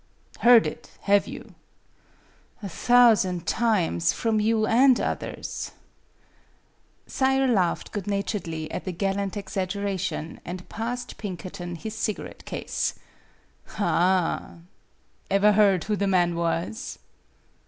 " Heard it, have you ?" "A thousand times from you and others." Sayre laughed good naturedly at the gal lant exaggeration, and passed Pinkerton his cigarette case. " Ah ever heard who the man was